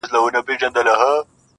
چي رمې به گرځېدلې د مالدارو.!